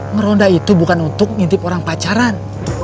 meronda itu bukan untuk ngintip orang pacaran